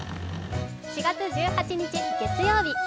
４月１８日月曜日。